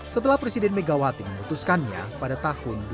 setelah presiden megawati memutuskannya pada tahun dua ribu dua